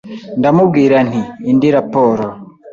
Ndamubwira nti Indi raporo